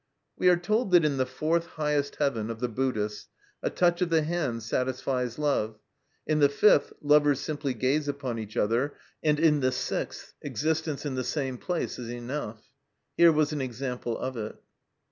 We are told that in the fourth highest heaven of the Buddhists a touch of the hand satisfies love, in the fifth lovers simply gaze upon each other, and in the sixth existence in the same place is enough. Here was an example of it.